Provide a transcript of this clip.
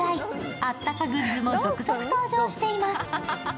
あったかグッズも続々登場しています。